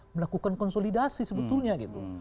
melakukan konsolidasi sebetulnya gitu